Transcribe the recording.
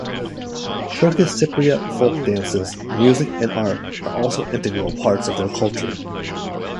Turkish Cypriot folk dances, music, and art are also integral parts of their culture.